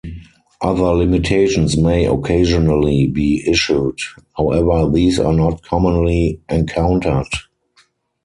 Other limitations may occasionally be issued, however these are not commonly encountered.